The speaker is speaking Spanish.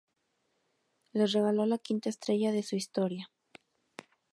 Les regaló la quinta estrella de su historia.